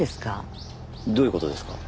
どういう事ですか？